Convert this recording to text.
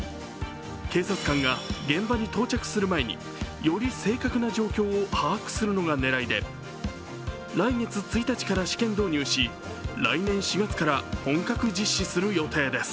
警察官が現場に到着する前に、より正確な状況を把握するのが狙いで来月１日から試験導入し来年４月から本格実施する予定です